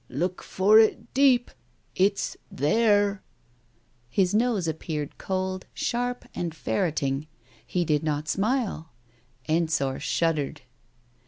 Look for it deep — it's there !" His nose appeared cold, sharp and ferreting. He did not smile. Ensor shuddered.